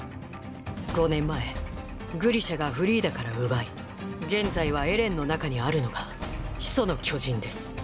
５年前グリシャがフリーダから奪い現在はエレンの中にあるのが「始祖の巨人」です。